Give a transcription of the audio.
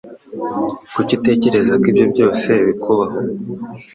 Kuki utekereza ko ibyo byose bikubaho?